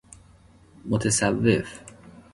متصوف